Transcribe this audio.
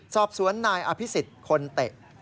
สอบสวนนายอภิษฎคนเตะ